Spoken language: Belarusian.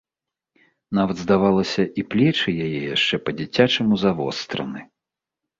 Нават, здавалася, і плечы яе яшчэ па-дзіцячаму завостраны.